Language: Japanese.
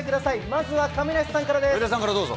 まずは亀梨さんからです。